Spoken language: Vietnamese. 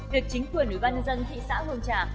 việc chính quyền ủy ban nhân dân thị xã hương trà